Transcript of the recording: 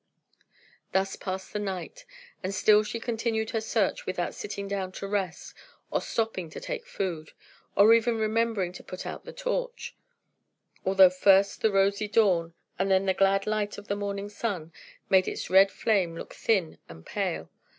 Thus passed the night; and still she continued her search without sitting down to rest, or stopping to take food, or even remembering to put out the torch; although first the rosy dawn, and then the glad light of the morning sun, made its red flame look thin and pale.